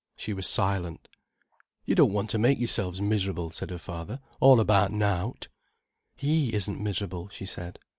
She was silent. "You don't want to make yourselves miserable," said her father; "all about nowt." "He isn't miserable," she said.